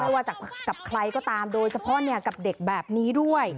ว่าจากกับใครก็ตามโดยเฉพาะกับเด็กแบบนี้ด้วย